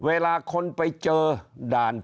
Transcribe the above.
ตัวเลขการแพร่กระจายในต่างจังหวัดมีอัตราที่สูงขึ้น